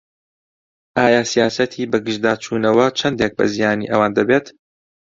ئایا سیاسەتی بەگژداچوونەوە چەندێک بە زیانی ئەوان دەبێت؟